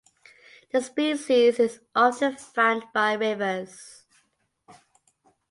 The species is often found by rivers.